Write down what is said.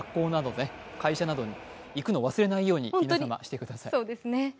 学校、会社などに行くのを忘れないように皆様してくださいね。